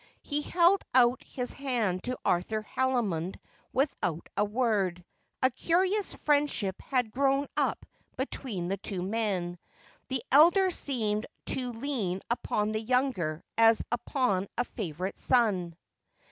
He held out his hand to Arthur Haldimond without a word. A curious friend ship had grown up between the two men. The elder seemed to lean upon the younger as upon a favourite son.